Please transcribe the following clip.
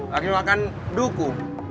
lagi makan duku